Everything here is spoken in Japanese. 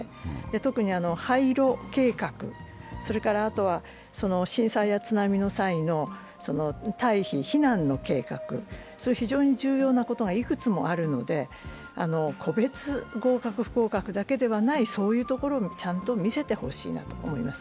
特に廃炉計画、震災や津波の際の退避、避難の計画、非常に重要なことがいくつもあるので、個別合格・不合格だけではない、そういうところもちゃんと見せてほしいなと思います。